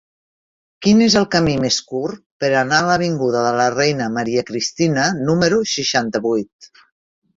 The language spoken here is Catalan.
Quin és el camí més curt per anar a l'avinguda de la Reina Maria Cristina número seixanta-vuit?